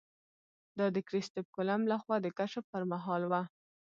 دا د کرسټېف کولمب له خوا د کشف پر مهال وه.